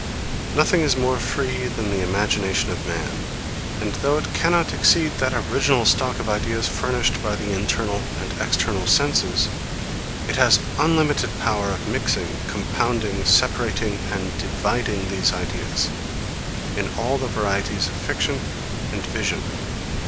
39. Nothing is more free than the imagination of man; and though it cannot exceed that original stock of ideas furnished by the internal and external senses, it has unlimited power of mixing, compounding, separating, and dividing these ideas, in all the varieties of fiction and vision.